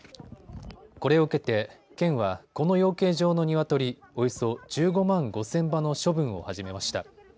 これを受けて県は、この養鶏場のニワトリ、およそ１５万５０００羽の処分を始めました。